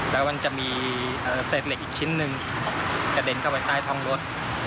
แล้วมันจะมีเศษเหล็กอีกชิ้นหนึ่งกระเด็นเข้าไปใต้ท้องรถ